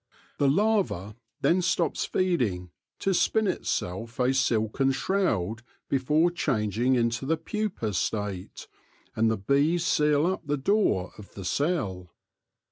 The larva then stops feeding to spin itself a silken shroud before changing into the pupa state, and the bees seal up the door of the cell.